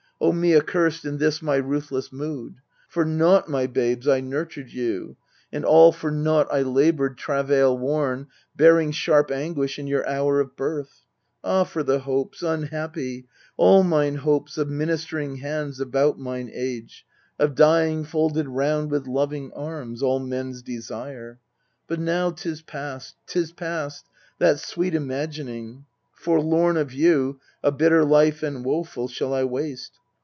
O me accursed in this my ruthless mood ! For naught, for naught, my babes, I nurtured you, And all for naught I laboured, travail worn, Bearing sharp anguish in your hour of birth. Ah for the hopes unhappy ! all mine hopes Of ministering hands about mine age, Of dying folded round with loving arms, All men's desire ! But now 'tis past 'tis past, That sweet imagining ! Forlorn of you A bitter life and woeful shall I waste.